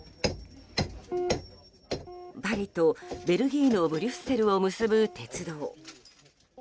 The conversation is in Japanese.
パリと、ベルギーのブリュッセルを結ぶ鉄道。